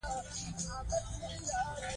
استاد وویل چې دا موضوع مجهوله نه ده.